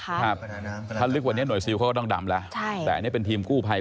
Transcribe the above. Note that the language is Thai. ถ้าลึกกว่านี้หน่วยซิลเขาก็ต้องดำแล้วใช่แต่อันนี้เป็นทีมกู้ภัย